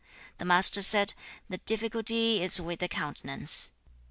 The Master said, 'The difficulty is with the countenance.